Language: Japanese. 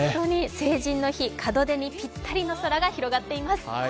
成人の日、門出にふさわしい空が広がっています。